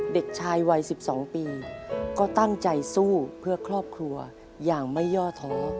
เด็กชายวัย๑๒ปีก็ตั้งใจสู้เพื่อครอบครัวอย่างไม่ย่อท้อ